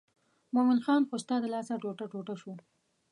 مومن خان خو ستا د لاسه ټوټه ټوټه شو.